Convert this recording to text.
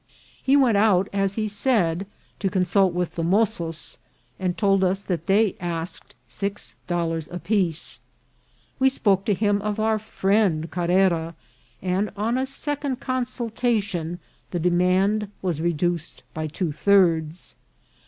He went out, as he said, to consult with the mozos, and told us that they asked six dollars apiece. "We spoke to him of our friend Carrera, and on a sec ond consultation the demand was reduced by two thirds.